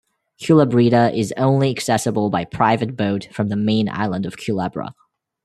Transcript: Culebrita is only accessible by private boat from the main island of Culebra.